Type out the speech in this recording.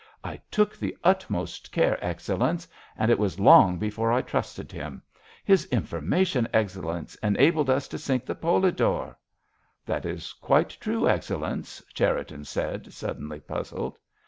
I took the utmost care, Excellenz, and it was long before I trusted him. His information, Excellenz, enabled us to sink the Polidor." "That is quite true, Excellenz," Cherriton said, suddenly puzzled.